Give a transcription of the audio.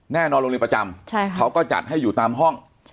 โรงเรียนประจำเขาก็จัดให้อยู่ตามห้อง